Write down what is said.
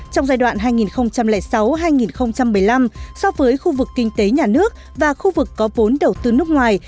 trong giai đoạn hai nghìn sáu hai nghìn một mươi năm so với khu vực kinh tế nhà nước và khu vực có vốn đầu tư nước ngoài